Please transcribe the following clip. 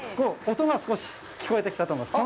音が聞こえてきたと思います。